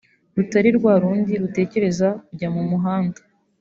rutari rwa rundi rutekereza kujya mu muhanda